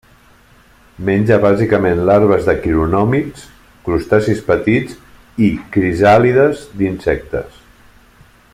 Menja bàsicament larves de quironòmids, crustacis petits i crisàlides d'insectes.